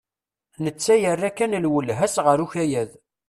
Netta yerra kan lwelha-s ɣer ukayad.